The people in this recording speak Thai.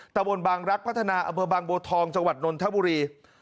ตะวนบางรักษ์พัฒนาอเบอร์บางโบทองจังหวัดนทบุรี